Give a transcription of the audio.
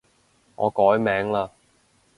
我改名嘞